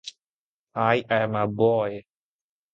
i am a boy